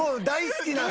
大好き。